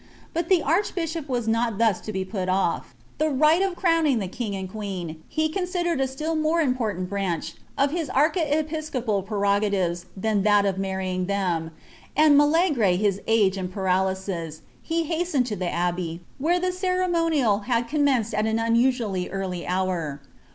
But the archbishop was not thua to be put olT. The lighl of crowning tlie king and quei^n lie considered a still inore iniporttM branch of his archiepiscopal prerogatives tlian ihal of marryiug Htm, and, malgri his age and pamlysis, lie hastened to the abbey, woertlfaa ceremonial had commenced at an unusually early hour.